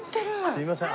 すいません